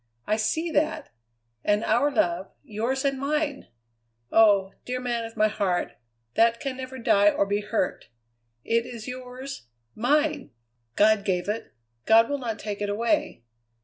I see that! And our love, yours and mine! Oh! dear man of my heart, that can never die or be hurt. It is yours, mine! God gave it. God will not take it away.